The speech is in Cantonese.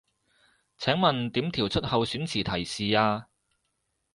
請問點調出候選詞提示啊